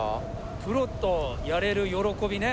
プロとやれる喜びね。